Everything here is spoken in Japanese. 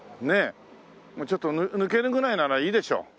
ちょっと抜けるぐらいならいいでしょう。